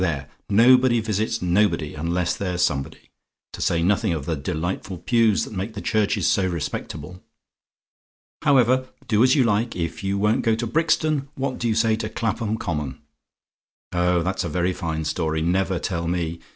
There, nobody visits nobody, unless they're somebody. To say nothing of the delightful pews that make the churches so respectable! "However, do as you like. If you won't go to Brixton, what do you say to Clapham Common? Oh, that's a very fine story! Never tell me!